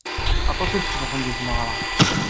Aṭas i tceḍḥem di tmeɣra.